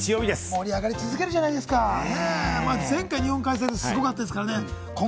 盛り上がり続けるじゃないですか、前回の日本開催もすごかったですから。